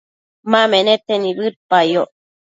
ma menete nibëdpayoc